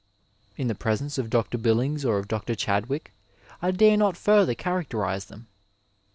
In the presence of Dr. Billings or of Dr. Chadwick I dare not further charac terize them.